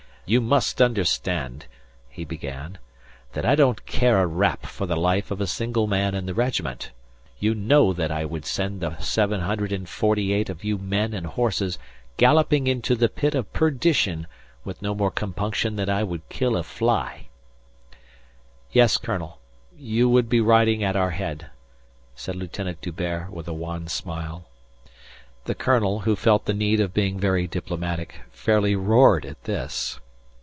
"You must understand," he began, "that I don't care a rap for the life of a single man in the regiment. You know that I would send the 748 of you men and horses galloping into the pit of perdition with no more compunction than I would kill a fly." "Yes, colonel. You would be riding at our head," said Lieutenant D'Hubert with a wan smile. The colonel, who felt the need of being very diplomatic, fairly roared at this.